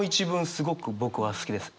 すごく僕は好きです。